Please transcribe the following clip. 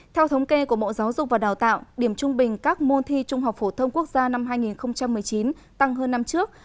theo thống kê của bộ giáo dục và đào tạo điểm trung bình các môn thi trung học phổ thông quốc gia năm hai nghìn một mươi chín tăng hơn năm trước